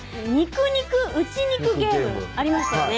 肉肉内肉ゲームありましたよね